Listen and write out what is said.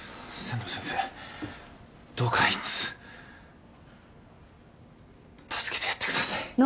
仙道先生どうかあいつ助けてやってください。